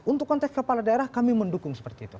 untuk konteks kepala daerah kami mendukung seperti itu